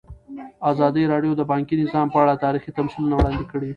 ازادي راډیو د بانکي نظام په اړه تاریخي تمثیلونه وړاندې کړي.